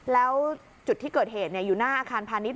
แล้วจุดที่เกิดเหตุอยู่หน้าอาคารพาณิชย